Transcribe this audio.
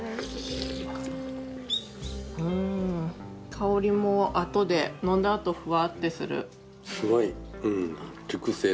香りもあとで飲んだあとふわってする。